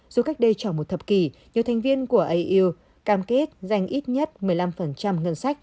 dù cách đây tròn một thập kỷ nhiều thành viên của au cam kết dành ít nhất một mươi năm ngân sách